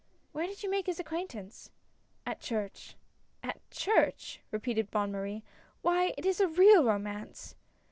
" Where did you make his acquaintance ?" "At church." " At church !" repeated Bonne Marie. " Why, it is a real romance